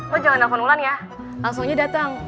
lo jangan telepon wulan ya langsung aja datang